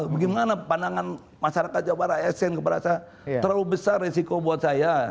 bagaimana pandangan masyarakat jawa barat asn keperasaan terlalu besar risiko buat saya